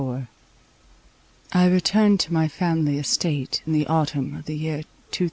I returned to my family estate in the autumn of the year 2092.